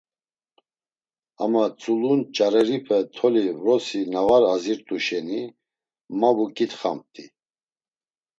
Ama tzulu nç̌areripe toli vrosi na var azirt̆u şeni ma vuǩitxamt̆i.